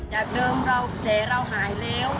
จากเดิมแผลเราหายแล้ว